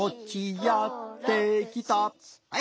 はい！